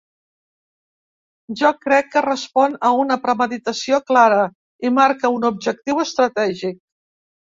Jo crec que respon a una premeditació clara i marca un objectiu estratègic.